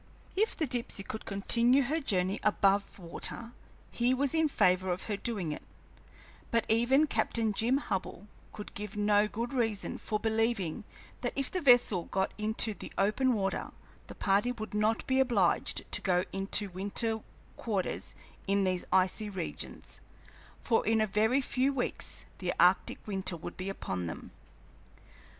If the Dipsey could continue her voyage above water he was in favor of her doing it, but even Captain Jim Hubbell could give no good reason for believing that if the vessel got into the open water the party would not be obliged to go into winter quarters in these icy regions; for in a very few weeks the arctic winter would be upon them.